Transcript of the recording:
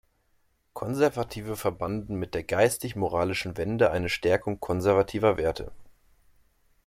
Konservative verbanden mit der „geistig-moralischen Wende“ eine Stärkung konservativer Werte.